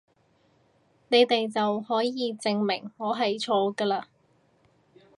你哋就可以證明我係錯㗎嘞！